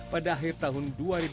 pada akhir tahun dua ribu dua puluh